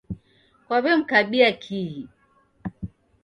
Kwaw'emkabia kihi?